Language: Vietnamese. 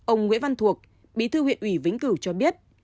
ông nguyễn văn thuộc bí thư huyện ủy vĩnh cửu cho biết